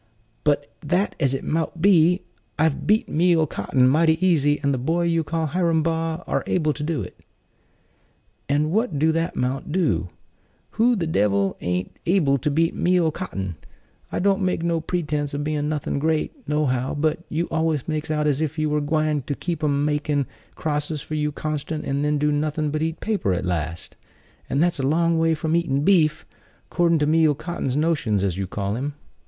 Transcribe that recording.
"Be that as it mout be, I've beat Meal 'Cotton mighty easy; and the boy you call Hiram Baugh are able to do it." "And what do that 'mount to? Who the devil an't able to beat Meal 'Cotton! I don't make no pretense of bein' nothin' great, no how; but you always makes out as if you were gwine to keep 'em makin' crosses for you constant, and then do nothin' but 'eat paper' at last; and that's a long way from eatin' beef, 'cordin' to Meal 'Cotton's notions, as you call him."